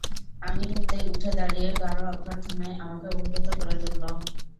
আমি ঢুকতেই উঠে দাঁড়িয়ে গাঢ় অভ্যর্থনায় আমাকে অভিভুত করে তুলল।